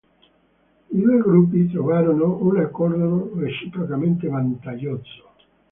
I due gruppi trovarono un accordo reciprocamente vantaggioso.